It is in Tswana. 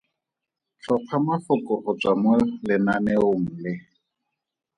Tlhopha mafoko go tswa mo lenaneong le.